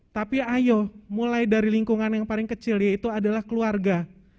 tapi ayo mulai dari lingkungan yang paling kecil yaitu adalah keluarga